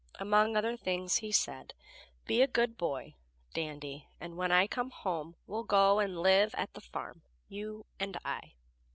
Among other things he said: "Be a good boy, Dandy, and when I come home we'll go and live at the farm you and I."